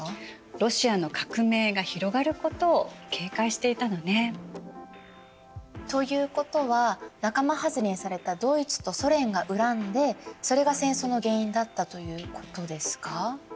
ロシアの革命が広がることを警戒していたのね。ということは仲間外れにされたドイツとソ連が恨んでそれが戦争の原因だったということですか？